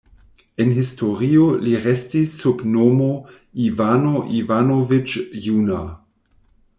En historio li restis sub nomo "Ivano Ivanoviĉ Juna".